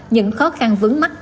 những khó khăn vấn mắc